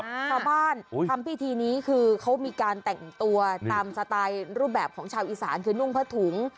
ทำพิธีนี้คือเขามีการแต่งตัวตามสไตล์รูปแบบของชาวอีสานคือนุ่งผ้าถุง